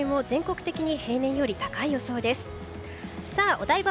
お台場